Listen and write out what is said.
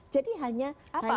jadi hanya sebagai